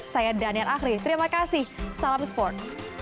saya daniel ahri terima kasih salam sport